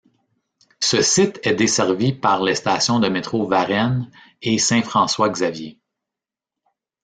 Ce site est desservi par les stations de métro Varenne et Saint-François-Xavier.